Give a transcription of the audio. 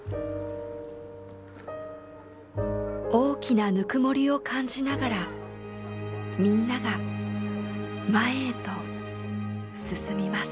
大きなぬくもりを感じながらみんなが前へと進みます。